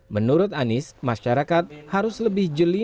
menurut anies masyarakat harus lebih jeli